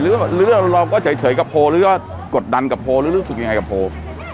หรือเราก็เฉยกับโพลหรือว่ากดดันกับโพลหรือรู้สึกยังไงกับโพล